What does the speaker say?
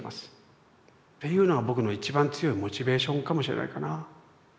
っていうのが僕の一番強いモチベーションかもしれないかなぁ。